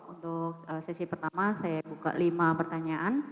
untuk sesi pertama saya buka lima pertanyaan